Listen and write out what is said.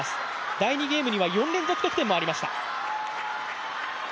第２ゲームには４連続得点もありました。